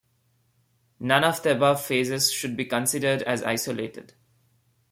None of the above phases should be considered as isolated.